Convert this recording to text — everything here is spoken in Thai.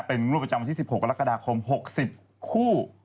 เป็นงวดประจำวันที่๑๖กรกฎาคม๖๐คู่